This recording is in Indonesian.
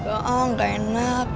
oh enggak enak